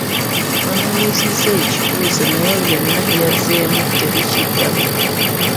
Bamubuuzizza ekibuuzo naye byonna byazzeemu tebikiddamu.